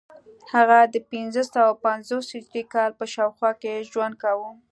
هغه د پنځه سوه پنځوس هجري کال په شاوخوا کې ژوند کاوه